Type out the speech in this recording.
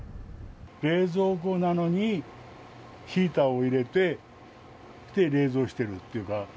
冷蔵庫なのに、ヒーターを入れて、冷蔵しているっていうか。